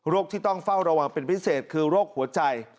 ที่ต้องเฝ้าระวังเป็นพิเศษคือโรคหัวใจ